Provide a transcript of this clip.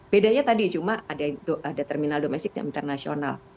bedanya tadi cuma ada terminal domestik dan internasional